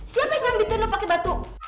siapa yang nyambitin lo pake batu